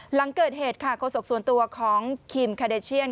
หลังเกิดเหตุค่ะโฆษกส่วนตัวของคิมคาเดเชียน